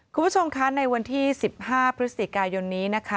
คุณผู้ชมคะในวันที่๑๕พฤศจิกายนนี้นะคะ